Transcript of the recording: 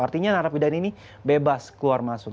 artinya narapidana ini bebas keluar masuk